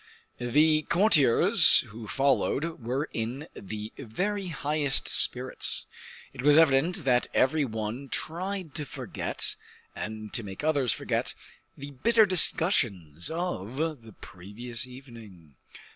The courtiers who followed were in the very highest spirits; it was evident that every one tried to forget, and to make others forget, the bitter discussions of the previous evening.